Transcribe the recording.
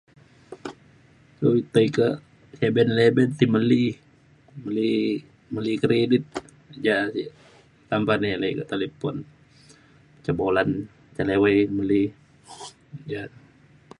tei ka seven eleven ti meli meli meli kredit ja sik tambah nilai ka talipon ca bulan ca liwai meli ja